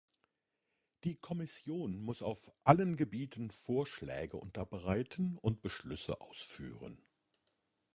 Die Kommission muss auf allen Gebieten Vorschläge unterbreiten und Beschlüsse ausführen.